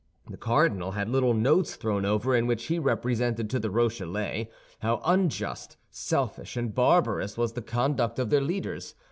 The cardinal had little notes thrown over in which he represented to the Rochellais how unjust, selfish, and barbarous was the conduct of their leaders.